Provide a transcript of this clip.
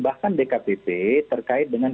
bahkan dkpp terkait dengan